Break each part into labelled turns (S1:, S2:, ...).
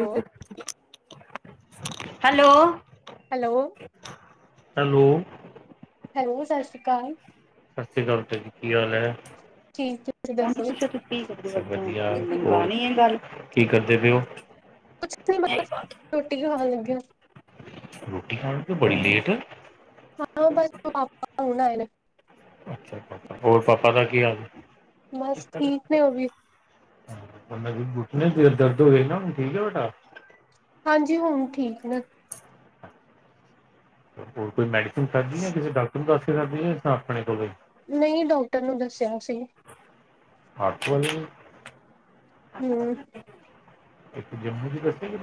S1: Hello,
S2: hello,
S1: hello,
S2: hello,
S1: hello, ਸਤਿ ਸ਼੍ਰੀ ਅਕਾਲ।
S2: ਸਤਿ ਸ੍ਰੀ ਅਕਾਲਾ ਜੀ। ਕੀ ਹਾਲ ਹੈ।
S1: ਠੀਕ ਤੁਸੀਂ ਦੱਸੋ? ਕੁਛ
S2: ਕੀ ਕਰਦੇ ਪੈੳ।
S1: ਕੁਛ ਦਿ ਬਾਅਦ ਰੋਟੀ ਖਾਣ ਲੱਗਿਆ।
S2: ਰੋਟੀ ਖਾਣ ਤੇ ਬੜੀ ਲੇਟ ਹੈ।
S1: ਹਾਂ, ਬਸ ਪਾਪਾ ਹੁਣ ਆ ਨਾ।
S2: ਅੱਛਾ ਹੋਰ ਪਾਪਾ ਦਾ ਕੀ ਹਾਲ?
S1: ਬਸ ਠੀਕ ਨੇ ਉਹ ਵੀ।
S2: ਦੀ ਦਰਦ ਹੋ ਗਈ ਨਾ ਹੁ ਠੀਕ ਆ ਵਡਾ।
S1: ਹਾਂਜੀ, ਹੁਣ ਠੀਕ ਨਾ।
S2: ਹੋਰ ਕੋਈ ਮੈਡੀਸਨ ਖਾਦੀ ਜਾਂ ਕਿਸੇ ਡਾਕਟਰ ਨੂੰ ਦੱਸ ਕੇ ਖਾਧੀ ਜਾਂ ਆਪਣੇ ਕੋਲ
S1: ਨਹੀਂ, ਡਾਕਟਰ ਨੂੰ ਦੱਸਿਆ ਸੀ।
S2: ਅੱਛਾ ਜੀ।
S1: ਹਮ।
S2: ਇੱਕ ਜੰਮੂ ਚ ਦੱਸੇਗਾ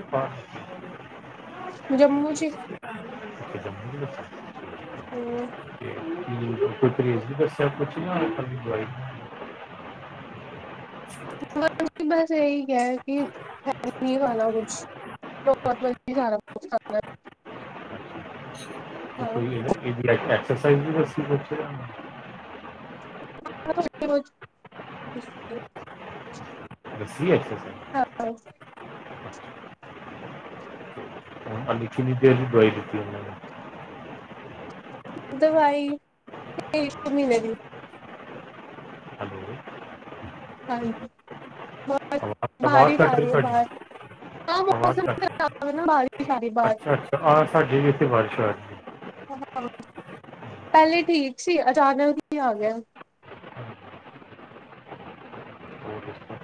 S1: ਜੰਮੂ ਚ
S2: [inaudible]
S1: ਹਮ
S2: ਕੋਈ ਬੱਸਿਆ ਕੁਛ ਨ ਉਹਈ ਅੱਛਾ
S1: ਬਸ ਇਹੀ ਕ ਕਿ ਹੈ ਨਹੀਂ ਖਾ ਕੁਛ ਤ ਵੀ ਸਾਰਾ ਕੁ ਹਾਂ
S2: [unintelligible]
S1: [unintelligible]
S2: ਸੀ ਐਕਸਸ
S1: ਹਾਂ
S2: [unintelligible]
S1: ਦਵਾਈ ਲੀ ਇਸ ਮਹੀਨੇ ਦੀ
S2: ਹਲੋ
S1: ਹਾਂਜੀ ਬ
S2: ਆਵਾਜ਼
S1: ਬਾਹਰ
S2: ਆਵਾਜ਼
S1: ਜਾ
S2: ਕੱਟ
S1: ਰਹੀ ਹੈ
S2: ਤੁਹਾਡੀ
S1: ਬਾਹਰ ਹ
S2: ਆਵਾਜ਼
S1: ਮੌਸਮ
S2: ਕੱਟ ਰਹੀ।
S1: ਖਰਾਬ ਆ ਬਾਰਿਸ਼ ਆ ਰਹੀ ਬਾਰ
S2: ਅੱਛਾ ਅੱਛਾ ਆ ਸਾਡੇ ਵੀ ਇੱਥੇ ਬਾਰਿਸ਼ ਆ ਰਹੀ
S1: ਪਹਿਲੇ ਠੀਕ ਸੀ ਅਚਾਨਕ ਹੀ ਆ ਗਿਆ
S2: ਹੈ ਹੋਰ ਦੱਸੋ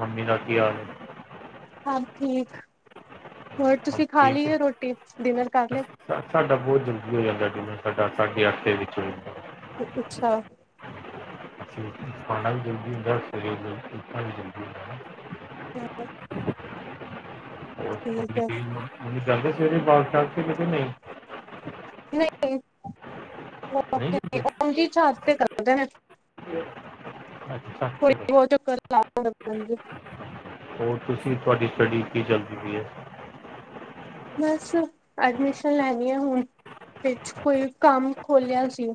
S2: ਹਾਂਜੀ ਕੀ ਹਾਲ
S1: ਹਾਂ ਠੀਕ ਹੋਰ
S2: ਮੰਮੀ
S1: ਤੁਸੀਂ ਖਾ
S2: ਠੀਕ ਹੈ
S1: ਲਈ ਰੋਟੀ ਡਿਨਰ ਕਰ ਲ
S2: ਸਾਡਾ ਬਹੁਤ ਜਲਦੀ ਹੋ ਜਾਂਦਾ ਡੀਨਰ ਸਾਡਾ ਸਾਡੇ ਅਰਥੇ ਵਿੱਚ ਹੋ ਜਾਂਦਾ
S1: ਅੱਛਾ
S2: ਖਾਣਾ ਵੀ ਜਲਦੀ ਹੁੰਦਾ ਸਵੇਰੇ ਉਠਣਾ ਵੀ ਜਲਦੀ ਹੁੰ
S1: ਹਮ
S2: ਦੇ ਸਵੇਰੇ ਬਾਗ ਸ਼ ਕਿਤੇ ਨਹੀਂ ਨਹੀਂ ਜਾਂਦੇ
S1: [unintelligible]
S2: ਅੱਛਾ ਚਲੋ
S1: [unintelligible]
S2: ਹੋਰ ਤੁਸੀਂ ਤੁਹਾਡੀ ਸਟੱਡੀ ਕੀ ਚੱਲਦੀ ਪਈ ਹੈ।
S1: ਬਸ ਐਡਮਿਸ਼ਨ ਲੈਣੀ ਆ ਹੁਣ ਫ ਕੋਈ ਕੰਮ ਖੋਲਿਆ ਸੀ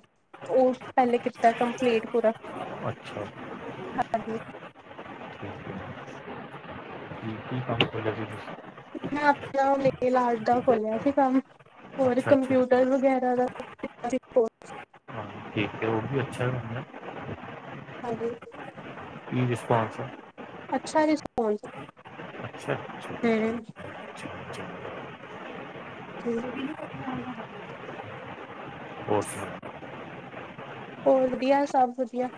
S1: ਉਹ ਪਹਿਲੇ ਕੀਤਾ ਕੰਪਲੀਟ ਪੂਰਾ
S2: ਅੱਛਾ
S1: ਹਾਂਜੀ
S2: ਠੀਕ ਕੀ ਕੰਮ ਕਰ
S1: ਮੈਂ ਆਪਣਾ ਉਹ ਨੈਲ ਅਰਟ ਦਾ ਖੋਲਿਆ ਸੀ ਕੰਮ ਹੋਰ
S2: ਅੱਛਾ ਅੱਛਾ
S1: ਕੰਪਿਊਟਰ ਵਗੈਰਾ ਦਾ
S2: ਹਾਂ ਠੀਕ ਹੈ ਉਹ ਅੱਛਾ
S1: ਹਾਂਜੀ
S2: ਕੀ ਰਿਸਪੋਂਸ ਹੈ।
S1: ਅੱਛਾ ਰਿਸਪੋਂਸ
S2: ਅੱਛਾ ਅੱਛਾ
S1: ਹੂੰ
S2: ਹੋਰ
S1: ਹੋਰ ਵਧੀਆ ਸਭ ਵਧੀਆ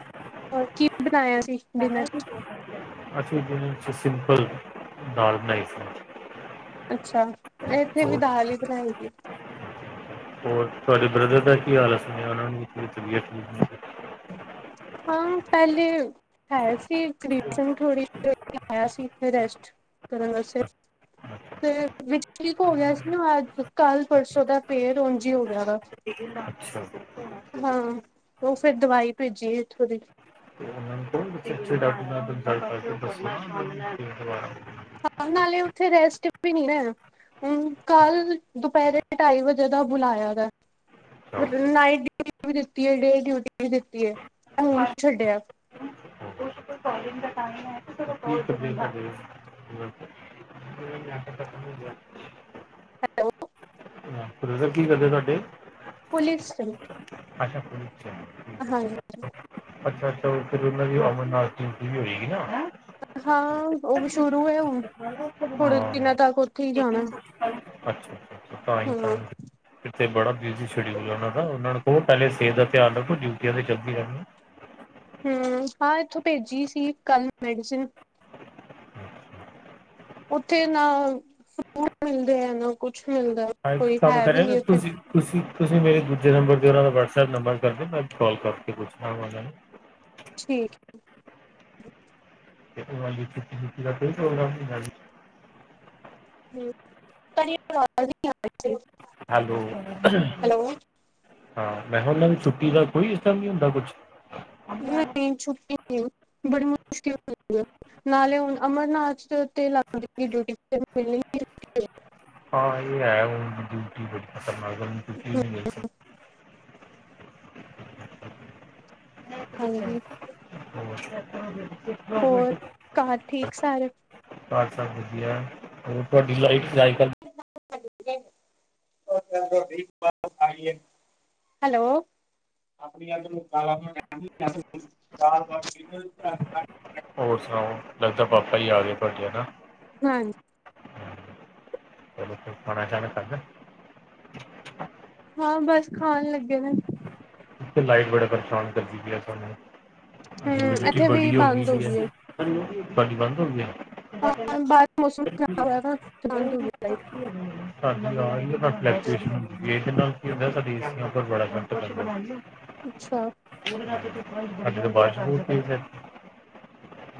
S1: ਹੋਰ ਕੀ ਬਣਾਇਆ ਸੀ ਡਿਨਰ
S2: [inaudible] ਅਸੀ ਸਿੰਮਪਲ ਦਾਲ ਬਣਾਈ ਸੀ।
S1: ਅੱਛਾ ਇੱਥੇ ਵੀ
S2: ਹੋਰ
S1: ਦਾਲ ਹੀ ਬਣਾਏਗੀ
S2: ਹੋਰ ਤੁਹਾਡੇ ਬ੍ਰਦਰ ਦਾ ਕੀ ਹਾਲ ਹੈ ਸੁਣਿਆ ਉਹਨਾਂ ਦੀ ਤਬੀਅਤ ਠੀਕ ਨੀ
S1: ਹਾਂ ਪਹਿਲੇ ਹੈ ਸੀ ਥੋੜ੍ਹੀ ਆਇਆ ਸੀ ਰੈਸਟ ਕਰਨ ਵਾਸਤੇ ਤੇ ਵਿੱਚ ਠੀਕ ਹੋ ਗਿਆ ਸੀ ਨਾ ਅੱਜ ਕੱਲ ਪਰਸੋਂ ਦਾ ਫੇਰ ਉਨਝ ਹੋ ਗਿਆ ਵਾ
S2: ਅੱਛਾ
S1: ਹਾਂ ਉਹ ਫੇਰ ਦਵਾਈ ਭੇਜੀਏ ਇੱਥੋਂ ਦੀ
S2: ਤੇ ਉਹਨਾਂ ਨੂੰ ਅੀ ਡਟ
S1: ਪਾ ਨਾਲੇ ਉਥੇ ਰੈਸਟ ਵੀ ਨੀ ਨਾ ਹੈ ਹਮ ਕੱਲ ਦੁਪਹਿਰੇ ਢਾਈ ਵਜੇ ਦਾ ਬੁਲਾਇਆ ਦਾ ਨਾਈਟ ਡਿਊਟੀ ਵੀ ਦਿੱਤੀ ਹੈ ਡੇ ਡਿਊਟੀ ਵੀ ਦਿੱਤੀ ਹੈ ਹੁਣ ਛੱਡਿਆ
S2: ਕੋਲਜ ਦਾ ਟਾਈਮ ਹੈ ਹ ਜਾ [unintelligible]
S1: ਹੈਲੋ
S2: ਕੀ ਕਰਦੇ ਤੁਹਾਡੇ
S1: ਪੁਲਿਸ ਚ
S2: ਅੱਛਾ ਪੁਲਿਸ ਚਾ
S1: ਹਾਂ ਜੀ
S2: ਅੱਛਾ ਅੱਛਾ ਔਥੇ ੳਹਨਾ ਦੀ ਅਮਰਨਾਥ ਡਿਉਟੀ ਵੀ ਹੈਗੀ ਏ ਨਾ
S1: ਹਾਂ ਉਹ ਵੀ ਸ਼ੁਰੂ ਹੈ ਹੁਣ ਥੋੜੇ ਦਿਨਾਂ
S2: ਹਾਂ
S1: ਤੱਕ ਉੱਥੇ ਹੀ ਜਾਣਾ
S2: ਅੱਛਾ ਅੱਛਾ ਤਾਹੀ ਤਾ
S1: ਹਾਂ
S2: ਇਥੇ ਬੜਾ ਬਿਜ਼ੀ ਸ਼ਡਿਊਲ ਹੈ ਉਹਨਾਂ ਨੂੰ ਬ ਪਹਿਲੇ ਸਿਹਤ ਦਾ ਧਿਆਨ ਰੱਖੋ ਡਿਊਟੀਆਂ ਤੇ ਚੱਲਦੀ ਰਹਿਣੀ ਹੈ
S1: ਹਮ ਹਾਂ ਇੱਥੋਂ ਭੇਜੀ ਸੀ ਕੱਲ ਮੈਡੀਸਨ ਉੱਥੇ ਨਾ ਫੂਟ ਮਿਲਦੇ ਆ ਨਾ ਕੁਛ ਮਿਲਦਾ
S2: ਹਾਂ ਇੱਕ
S1: ਕੋਈ
S2: ਕੰਮ
S1: ਹੈ ਵੀ
S2: ਕਰਿਆਗਾ
S1: ਨੀ ਉੱਥੇ
S2: ਤੁਵੀ ਤੁਸੀਂ ਤੁਸੀਂ ਮੇਰੇ ਦੂਜੇ ਨੰਬਰ ਤੇਓਨਾਂ ਦਾ ਵਟਸਐਪ ਨੰਬਰ ਕਰਦੇਓ ਮੈਂ ਕਾਲ ਕਰਕੇ ਪੁੱਛਣਾ ਉਹਨਾਂ ਨੂੰ
S1: ਠੀਕ
S2: ਉਹੁ ਕੋ [unintelligible]
S1: ਹਮ
S2: ਹੈਲੋ
S1: ਹੈਲੋ
S2: ਹਾਂ ਮੈਂ ਉਹਨਾਂ ਦੀ ਛੁੱਟੀ ਦਾ ਕੋਈ ਇਸ ਤਰ੍ਹਾਂ ਨਹੀਂ ਹੁੰਦਾ ਕੁਛ
S1: ਨਹੀਂ ਛੁੱਟੀ ਨਹੀਂ ਬੜੀ ਮੁਸ਼ਕਿਲ ਨਾਲੇ ਹੁਣ ਅਮਰਨਾਥ ਤੇ ਤੇ ਲੱਗ ਗਈ ਡਿਊਟੀ ਤੇ ਮਿਲਣੀ
S2: ਕੋਈ ਹੈ ਡਿਊਟੀ [unintelligible] ਬ
S1: ਹਾਂਜੀ ਹੋਰ ਘਰ ਠੀਕ ਸਾਰੇ
S2: ਸਭ ਵਧੀਆ ਹੋਰ ਤੁਹਾਡੀ ਲਾਈਫ ਅੱਜ
S1: ਚੱਲ ਠੀਕ ਆਈਏ ਹੈਲੋ ਆਪਣੀ ਆਪ
S2: ਹੋਰ ਸੁਣਾਓ ਲੱਗਦਾ ਪਾਪਾ ਜੀ ਆ ਗਏ ਤਡੇ ਨਾ
S1: ਹਾਂਜੀ
S2: ਹੋ ਤੂ ਖਣਾਚਾਨਾ ਖਾਦਾ ਐ
S1: ਹਾਂ ਬਸ ਖਾਣ ਲੱਗੇ ਨੇ
S2: ਇੱਕ ਤੇ ਲਾਈਟ ਬੜਾ ਪਰੇਸ਼ਾਨ ਕਰਦੀ ਪੀ ਏ ਸਾਨੂੰ।
S1: ਹੂੰ
S2: ਅੱਜ ਬਿਜਲੀ ਏੱਥੇ
S1: ਇੱਥੇ ਵੀ
S2: ਬੜੀ
S1: ਬੰਦ ਹੋ ਗਈ ਹੈ
S2: [unintelligible] ਤੁਡੀ ਬੰਦ ਹੋ ਗਈ ਏ
S1: ਬਾਹ ਮੌਸਮ ਖਰਾਬ ਹੋਇਆ ਦਾ ਬੰਦ ਹੋ ਗਈ ਲਾਈਟ
S2: ਨਾਲ ਹ ਏ ਬ
S1: ਅੱਛਾ
S2: ਸਾਡੇ ਤਾਂ ਬਾਰਸ ਬੁਰਸ ਪਈ ਇਥੇ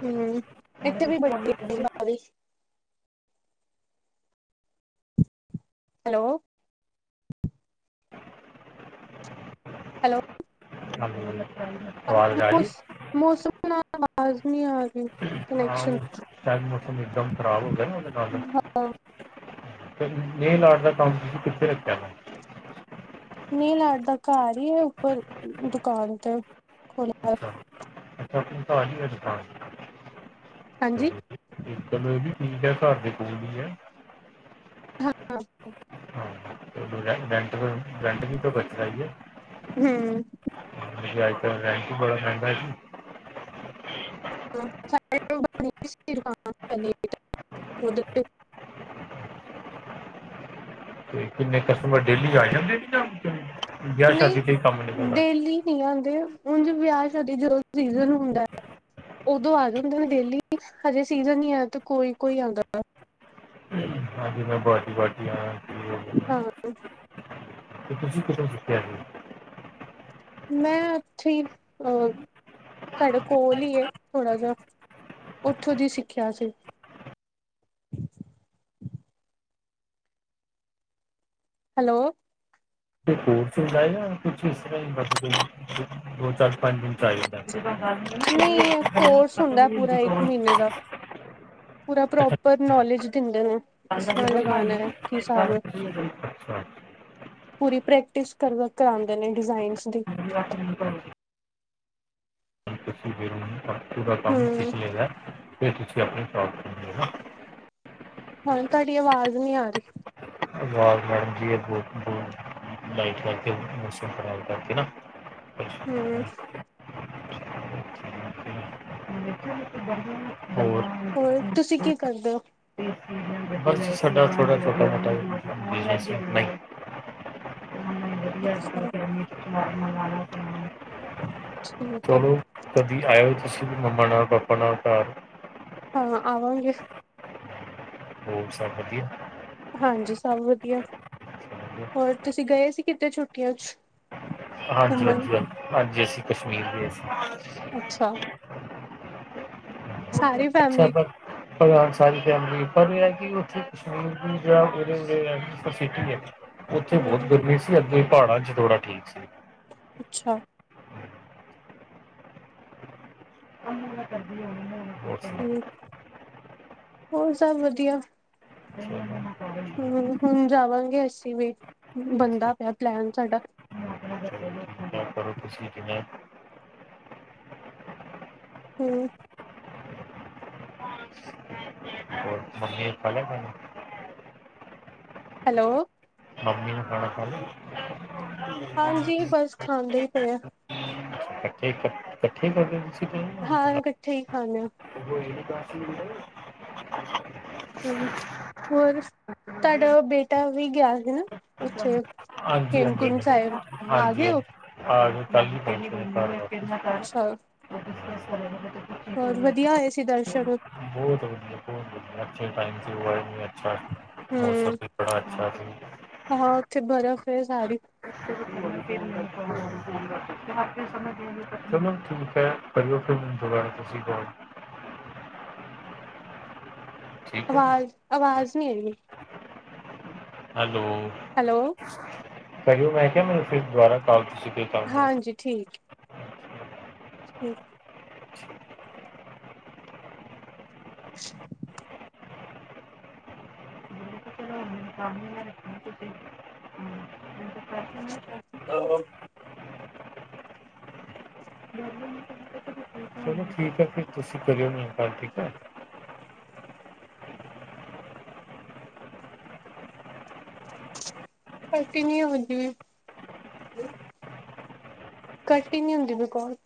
S1: ਹਮ ਇਥੇ ਵੀ ਬੜੀ ਪਈ ਬਾਰਸ ਹੈਲੋ ਹੈਲੋ
S2: ਹ
S1: ਸ ਮੌਸਮ ਨਾ ਲਾਜ਼ਮੀ ਆ ਗਈ
S2: ਹਾਂ ਸ਼ਾਇਦ ਮੌਸਮ ਇਕਦਮ ਖ਼ਰਾਬ ਹੋ ਗਿਆ ਨਾ ਉਹਦੇ ਨਾਲ
S1: ਹਾਂ
S2: ਮ ਲਾਡ ਦਾ ਕੰਮ ਤੁਸੀਂ ਕਿੱਥੇ ਰੱਖਿਆ ਵਾ
S1: ਨਈ ਲਾਡਾ ਘਰ ਈ ਏ ਉੱਪਰ ਦੁਕਾਨ ਤੇ ਖੋਲ
S2: ਅੱਛਾ ਜੀ ਅੱਛਾ।
S1: ਹਾਂਜੀ
S2: ਇੱਕ ਗੱਲ ਐਵੀ ਠੀਕ ਐ ਘਰ ਦੇ ਕੋਲ ਈ ਐ।
S1: [unintelligible]
S2: [unintelligible] ਰੈਂਕ ਵੀ ਬਚਦਾ ਈ ਏ। [unintelligible]
S1: [unintelligible]
S2: ਤੇ ਕਿੰਨੇ ਕਸਟਮਰ ਡੇਲੀ ਆ ਜਾਂਦੇ ਜੀ ਯਾ ਵਿਆਹ ਸ਼ਾਦੀ ਤੇ ਕੰਮ ਨਿਕਲਦਾ।
S1: ਨਈ ਆਂਦੇ ਉਂਜਣ ਵਿਆਹ ਸ਼ਾਦੀ ਜਦੋ ਸੀਜ਼ਨ ਹੁੰਦਾ ਐ। ਉਦੋਂ ਆ ਜਾਂਦੇ ਨੇ ਡੇਲੀ, ਹਜੇ ਸੀਜਨ ਨੀ ਆ ਤੇ ਕੋਈ-ਕੋਈ ਆਂਦਾ ਨਾ।
S2: ਹਾਂਜੀ ਮੈਂ ਬਾਰਟੀ ਬਾਰਟੀ ਆ
S1: ਹਾਂ
S2: [unintelligible] ਤੇ ਤੁਸੀਂ ਕਿਦੋਂ ਜਿੱਤਿਆ ਸੀ।
S1: ਮੈਂ ਉੱਥੇ ਈ ਅ ਸਾਡੇ ਕੋਲ ਈ ਏ ਥੋੜਾ ਜਾ ਉੱਥੋਂ ਦੀ ਸਿੱਖਿਆ ਸੀ। ਹੈਲੋ।
S2: ਕੋਰਸ ਜਾਏਗਾ ਕੁਛ ਇਸ ਤਰਾ ਈ ਮਤ ਦੋ ਚਾਰ ਪੰਜ ਦਿਨ ਚ ਆਏ।
S1: ਨਹੀਂ ਕੋਰਸ ਹੁੰਦਾ ਪੂਰਾ ਇੱਕ ਮਹੀਨੇ ਦਾ
S2: [unintelligible]
S1: ਪੂਰਾ ਪ੍ਰੋਪਰ ਨੋਲੇਜ ਦਿੰਦੇ ਨੇ।
S2: ਕੱਲ
S1: ਕਿਸ
S2: ਦਾ
S1: ਤਰਾ
S2: ਜਦੋਂ ਬਣਾਈ
S1: ਲਗਾਣਾ
S2: ਨਾ
S1: ਐ, ਕੀ ਸਾਬ।
S2: ਕੱਲ ਦੀ ਅੱਛਾ ਜਿਹੜੀ
S1: ਪੂਰੀ ਪ੍ਰੈਕਟਿਸ ਕਰ ਕਰਾਂਦੇ ਨੇ ਡਿਜ਼ਾਇਨਸ ਦੀ
S2: ਹ [unintelligible]
S1: ਹਮ
S2: [unintelligible]
S1: ਹੁਣ ਤੁਆਡੀ ਆਵਾਜ਼ ਨੀ ਆ ਰੀ।
S2: ਆਵਾਜ਼ ਮੈਡਮ ਜੀ ਐ, ਬੌਤ-ਬੌਤ। [unintelligible]
S1: ਹੂੰ।
S2: ਹੋਰ
S1: ਹੋਰ ਤੁਸੀਂ ਕੀ ਕਰਦੇ ਓ?
S2: ਬਸ ਸਾਡਾ ਥੋੜਾ ਥੋੜਾ [unintelligible] ਮੰਗ
S1: ਅੱਛਾ ਠੀਕ ਹੈ
S2: ਚਲੋ [unintelligible] ਕਦੀ ਆਇਓ ਤੁਸੀਂ ਮੰਮਾ ਨਾਲ ਪਾਪਾ ਨਾਲ ਘਰ।
S1: ਹਾਂ, ਆਵਾਂਗੇ।
S2: ਹੋਰ ਸਬ ਵਦੀਆ।
S1: ਹਾਂਜੀ, ਸਬ ਵਦੀਆ,
S2: ਵਧੀਆ
S1: ਹੋਰ ਤੁਸੀਂ ਗਏ ਸੀ ਕਿਤੇ ਛੁੱਟੀਆਂ ਚ?
S2: ਹਾਂਜੀ,
S1: ਘੁੰਮਣ
S2: ਹਾਂਜੀ, ਹਾਂਜੀ, ਅਸੀਂ ਕਸ਼ਮੀਰ ਗਏ ਸੀ।
S1: ਅੱਛਾ। ਸਾਰੀ
S2: ਅੱਛਾ,
S1: ਫੈਮਿਲੀ
S2: ਭਗ ਭਗਵਾਨ ਸਾਰੀ ਫੈਮਲੀ ਪਰ ਏ ਐਕੀ ਉੱਥੇ [unintelligible] ਓਥੇ ਬੌਤ
S1: ਹਮ
S2: ਗਰਮੀ ਸੀ, ਅੱਗੇ ਪਾੜਾਂ ਚ ਥੋੜਾ ਠੀਕ ਸੀ।
S1: ਅੱਛਾ।
S2: ਉਨੂੰ ਮੈਂ ਕਰਦੀ ਆ [unintelligible]
S1: ਠੀਕ ਹੋਰ ਸਬ ਵਦੀਆ।
S2: ਚਲੋ
S1: ਹੂੰ, ਹੁਣ ਜਾਵਾਂਗੇ ਅਸੀਂ ਵੀ ਬੰਨਦਾ ਪਿਆ ਪਲੈਨ ਸਾਡਾ।
S2: [unintelligible]
S1: ਹੂੰ।
S2: [unintelligible] [unintelligible]
S1: ਹੈਲੋ।
S2: ਮਮੀ ਨੇ ਖਾਣਾ ਖਾ ਲਿਆ।
S1: ਹਾਂਜੀ, ਬਸ ਖਾਂਦੇ ਈ ਪਏ ਆ।
S2: ਠੀਕ ਹੈ ਇਕੱਠੀ ਹੋ
S1: ਹਾਂ ਇਕੱਠੇ ਹੀ ਖਾਂਦੇ ਆ
S2: ਉਹ ਇਹ ਪਾਸ
S1: ਹਮ ਹੋਰ
S2: ਤੇ
S1: ਤੁਹਾਡਾ ਬੇਟਾ ਵੀ ਗਿਆ ਹਨਾ ਉੱਥੇ
S2: ਹਾਂਜੀ ਹਾਂਜੀ
S1: ਹੇਮਕੁੰਟ ਸਾਹਿਬ ਆ ਗਏ
S2: ਹਾਂਜੀ
S1: ਹੋ
S2: ਹਾਂਜੀ
S1: ਅੱਛਾ
S2: [unintelligible]
S1: ਹੋਰ ਵਧੀਆ ਹੋਏ ਸੀ ਦਰਸ਼ਨ
S2: ਬਹੁਤ ਵੀਆ ਬਹੁਤ ਵਆ ਅ ਮੌਸਮ
S1: ਹਮ
S2: ਵੀ ਬੜਾ ਅੱਛਾ ਸੀ
S1: ਹਾਂ ਉੱਥੇ ਬਰਫ਼ ਹੈ ਸਾਰੀ
S2: ਸਮ ਜ ਠੀਕ ਹੈ ਕਰੀਓ ਫਿਰ ਮੈ ਦੁਬਾਰਾ ਤੁਸੀਂ ਬਲ ਠੀਕ ਹੈ
S1: ਆਵਾਜ਼ ਆਵਾਜ਼ ਨਹੀਂ ਹੈਗੀ
S2: ਹੈਲੋ
S1: ਹੈਲੋ
S2: ਕਰਓ ਮੈਂ ਕਿਹਾ ਮੈਨੂੰ ਫਿਰ ਦੁਬਾਰਾ ਕਾਲ ਤੁਸੀਂ ਕੰਮ ਹੈ
S1: ਹਾਂਜੀ ਠੀਕ ਠੀਕ
S2: ਅ ਬ ਹਸ
S1: ਆਹ
S2: ਚਲੋ ਠੀਕ ਹੈ ਫਰ ਤੁਸੀਂ ਕਰਿਓ ਮ ਗ ਠੀਕ ਹੈ
S1: ਕਰਲਤੀ ਨ ਹਜੀ ਕੱਟ ਹੀ ਨਹੀਂ ਹੁੰਦੀ ਬਕੋਲ